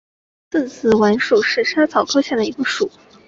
刺子莞属是莎草科下的一个属。